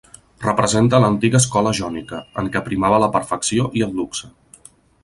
Representa l'antiga escola jònica, en què primava la perfecció i el luxe.